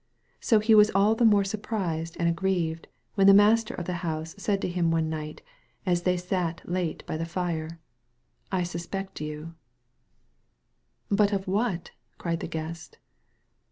So he was all the more surprised and aggrieved when the Master of the house said to him one night, as they sat late by the fire: "I suspect you." 77 THE VALLEY OP VISION "But of what?" cried the Guest.